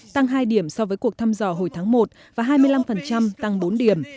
tăng hai điểm so với cuộc thăm dò hồi tháng một và hai mươi năm tăng bốn điểm